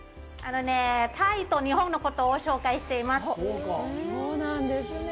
タイと日本のことを紹介しています。